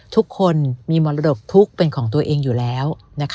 ทุกคนมีมรดกทุกข์เป็นของตัวเองอยู่แล้ว